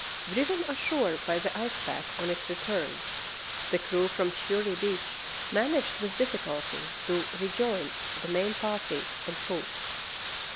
Driven ashore by the ice pack on its return, the crew from Fury Beach managed with difficulty to rejoin the main party on foot.